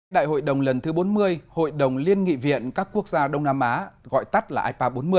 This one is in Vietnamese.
đại hội đồng lần thứ bốn mươi hội đồng liên nghị viện các quốc gia đông nam á gọi tắt là ipa bốn mươi